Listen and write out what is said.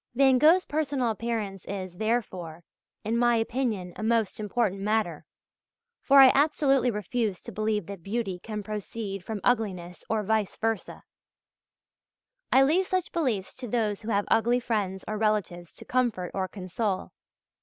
Van Gogh's personal appearance is, therefore, in my opinion a most important matter, for I absolutely refuse to believe that beauty can proceed from ugliness or vice versâ. I leave such beliefs to those who have ugly friends or relatives to comfort or console.